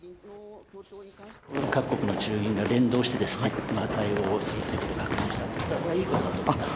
各国の中銀が連動してですね、対応をすることを確認したというのはこれはいいことだと思います。